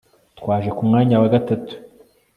Twaje ku mwanya wa gatatu